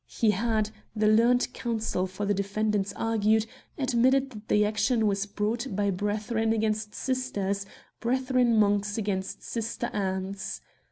He had, the learned counsel for the defendants argued, admitted that the action was brought by brethren against sisters, brethren Monks against sister Ants.